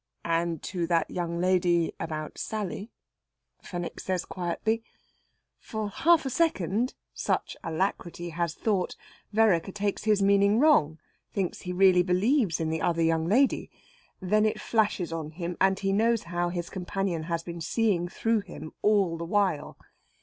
"And to that young lady about Sally," Fenwick says quietly. For half a second such alacrity has thought Vereker takes his meaning wrong; thinks he really believes in the other young lady. Then it flashes on him, and he knows how his companion has been seeing through him all the while.